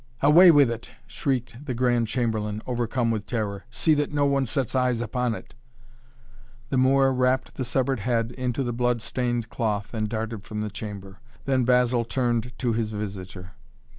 "Away with it!" shrieked the Grand Chamberlain overcome with terror. "See that no one sets eyes upon it!" The Moor wrapped the severed head into the blood stained cloth and darted from the chamber. Then Basil turned to his visitor.